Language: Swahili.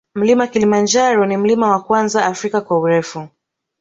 Mlima kilimanjaro ni mlima wa kwanza afrika kwa urefu